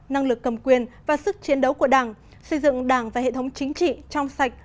năng lực cầm quyền và sức chiến đấu của đảng xây dựng đảng và hệ thống chính trị trong sạch